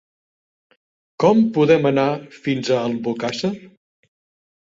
Com podem anar fins a Albocàsser?